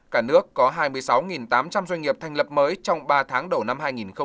cả nước có hai mươi sáu tám trăm linh doanh nghiệp thành lập mới trong ba tháng đầu năm hai nghìn hai mươi